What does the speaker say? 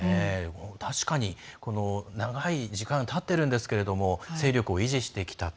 確かに長い時間、たっているんですが勢力を維持してきたと。